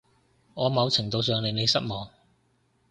我某程度上令你失望